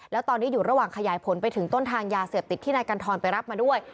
แล้วตอนนี้อยู่ระหว่างขยายผลไปถึงต้นทางยาเสพติดที่นายกันทรไปรับมาด้วย